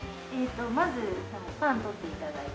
まずパンを取って頂いて。